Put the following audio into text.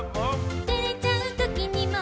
「照れちゃう時にも」